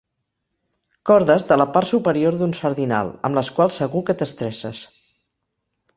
Cordes de la part superior d'un sardinal, amb les quals segur que t'estresses.